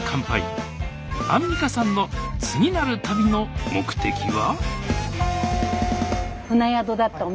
アンミカさんの次なる旅の目的は？